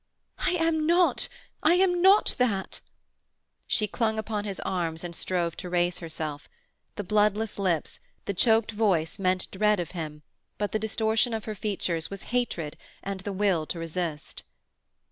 "I am not! I am not that!" She clung upon his arms and strove to raise herself. The bloodless lips, the choked voice, meant dread of him, but the distortion of her features was hatred and the will to resist.